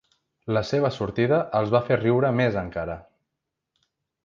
La seva sortida els va fer riure més encara.